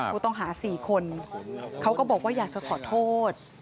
ผู้ต้องหา๔คนเขาก็บอกว่าอยากจะขอโทษ